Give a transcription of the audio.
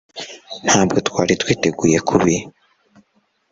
Ntabwo twari twiteguye kubi